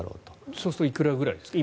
そうするといくらぐらいですか？